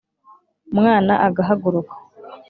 umwam agaháguruka